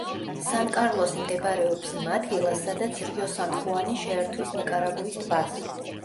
სან კარლოსი მდებარეობს იმ ადგილას, სადაც რიო სან ხუანი შეერთვის ნიკარაგუის ტბას.